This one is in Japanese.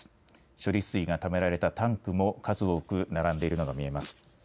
処理水がためられたタンクも数多く並んでいるのが見えます。